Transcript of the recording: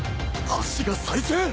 足が再生！？